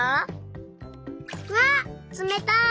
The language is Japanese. わっつめたい！